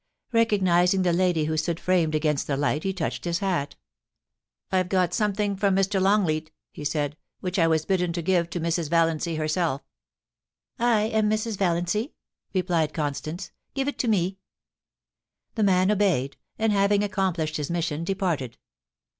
Recognising the lady who stood framed against the light, he touched his hat * I've got something from Mr. Longleat,* he said, * which I was bidden to give to Mrs^ Valiancy herself * I am MrSb Valiancy,' replied Constance. * Give it to me.* The man obeyed, and having accomplished his mission, departed.